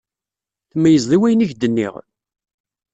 Tmeyyzeḍ i wayen i k-nniɣ?